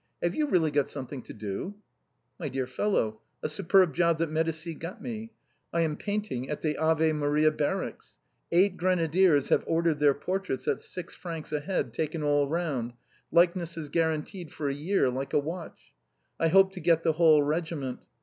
Have you really got something to do ?" "My dear fellow, a superb job that Medicis got me. I am painting at the Ave Maria barracks. Eight grenadiers have ordered their portraits at six francs a head taken all round, likenesses guaranteed for a year, like a watch. I hope to get the whole regiment.